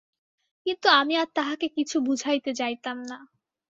কিন্তু আমি আর তাহাকে কিছু বুঝাইতে যাইতাম না।